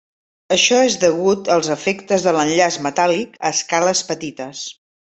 Això és degut als efectes de l'enllaç metàl·lic a escales petites.